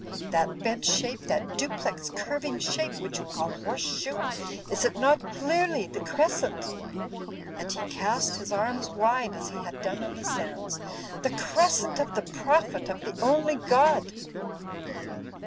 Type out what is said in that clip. That bent shape, that duplex curving shape, which you call horse shoe, is it not clearly the Crescent?" and he cast his arms wide as he had done on the sands, "the Crescent of the Prophet of the only God?''